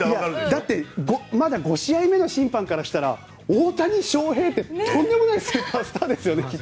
だってまだ５試合目の審判からしたら大谷翔平ってとんでもないスーパースターですよね。